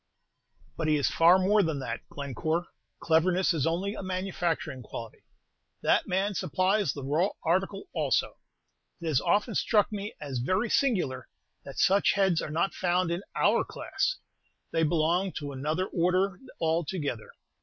"But he is far more than that, Glencore. Cleverness is only a manufacturing quality, that man supplies the raw article also. It has often struck me as very singular that such heads are not found in our class, they belong to another order altogether.